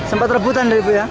sempat rebutan dari ibu ya